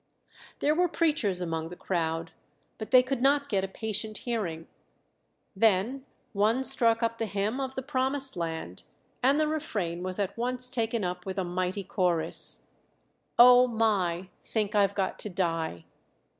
There were preachers among the crowd, but they could not get a patient hearing. Then one struck up the hymn of the Promised Land, and the refrain was at once taken up with a mighty chorus "Oh, my! Think I've got to die."